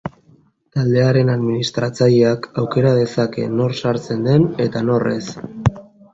Taldearen administratzaileak aukera dezake nor sartzen den eta nor ez.